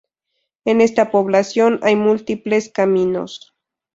En esta población hay múltiples caminos.